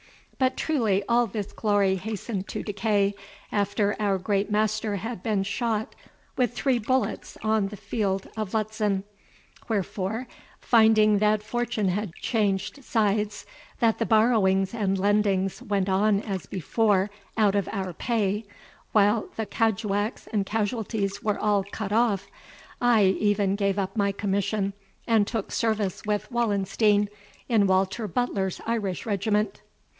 But truly all this glory hastened to decay, after our great master had been shot with three bullets on the field of Lutzen; wherefore, finding that Fortune had changed sides, that the borrowings and lendings went on as before out of our pay, while the caduacs and casualties were all cut off, I e'en gave up my commission, and took service with Wallenstein, in Walter Butler's Irish regiment."